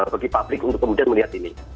bagi publik untuk kemudian melihat ini